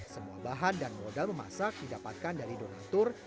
semua bahan dan modal memasak didapatkan dari donatur